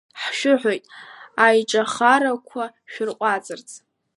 Ҳшәыҳәоит аиҿыхарақәа шәырҟәаҵырц!